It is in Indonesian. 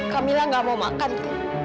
kak mila gak mau makan